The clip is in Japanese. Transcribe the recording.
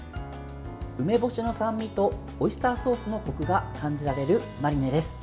梅干しの酸味とオイスターソースのこくが感じられるマリネです。